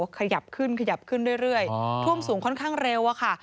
ขยับขึ้นขยับขึ้นเรื่อยท่วมสูงค่อนข้างเร็วอะค่ะ